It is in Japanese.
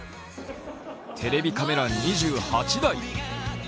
テレビカメラ２８台。